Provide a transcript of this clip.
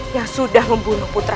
yang sudah membunuh putra